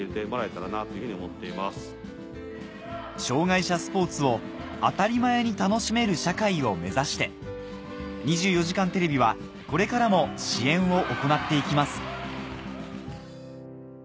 障がい者スポーツを当たり前に楽しめる社会を目指して『２４時間テレビ』はこれからも支援を行っていきます